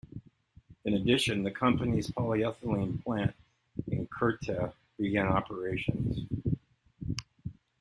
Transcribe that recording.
In addition, the company's polyethylene plant in Kerteh began operations.